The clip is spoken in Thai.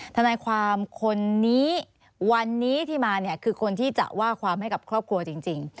ทนายความคนนี้วันนี้ที่มาเนี่ยคือคนที่จะว่าความให้กับครอบครัวจริง